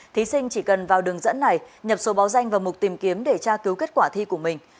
thí sinh chỉ cần vào đường dẫn này nhập số báo danh và mục tìm kiếm để tra cứu kết quả thi của mình